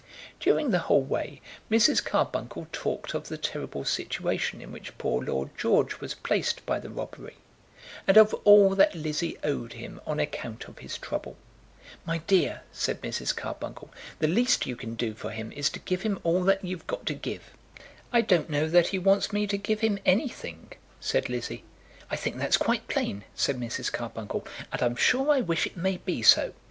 During the whole way Mrs. Carbuncle talked of the terrible situation in which poor Lord George was placed by the robbery, and of all that Lizzie owed him on account of his trouble. "My dear," said Mrs. Carbuncle, "the least you can do for him is to give him all that you've got to give." "I don't know that he wants me to give him anything," said Lizzie. "I think that's quite plain," said Mrs. Carbuncle, "and I'm sure I wish it may be so.